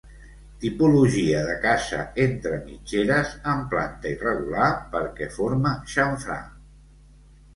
Tipologia de casa entre mitgeres amb planta irregular perquè forma xamfrà.